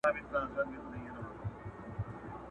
يو يې خوب يو يې خوراك يو يې آرام وو.!